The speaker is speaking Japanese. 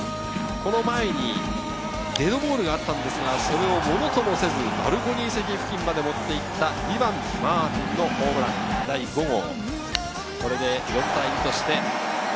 この前にデッドボールがあったんですが、それをものともせずバルコニー席付近まで持っていったマーティンのホームラン第５号。